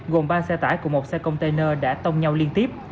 gồm ba xe tải cùng một xe container đã tông nhau liên tiếp